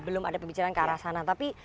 belum ada pembicaraan ke arah sana tapi